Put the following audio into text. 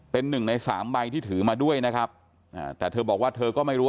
เป็น๑ใน๓ใบที่ถือมาด้วยนะครับแต่เธอบอกว่าเธอก็ไม่รู้